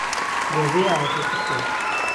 گۆزەی ئاوەکەی پڕ کرد